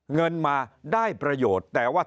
เงินมาได้ประโยชน์แต่ว่า